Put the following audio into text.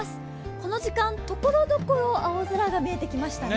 この時間、ところどころ青空が見えてきましたね。